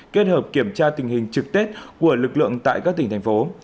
kết hợp kiểm tra tình hình trực tết của lực lượng tại các tỉnh thành phố